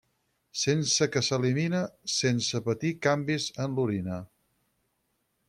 Sense que s’elimina sense patir canvis en l'orina.